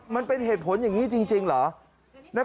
มันเป็นเหตุผลอย่างนี้จริงเหรอ